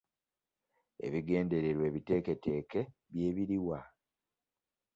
Ebigendererwa ebiteeketeeke bye biriwa?